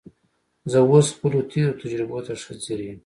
زه اوس خپلو تېرو تجربو ته ښه ځیر یم